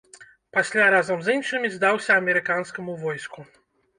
Пасля разам з іншымі здаўся амерыканскаму войску.